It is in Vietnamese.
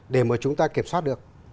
để mà chúng ta kiểm soát được